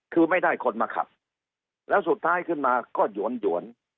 คือไม่ได้คนมาขับแล้วสุดท้ายขึ้นมาก็หยวนหวน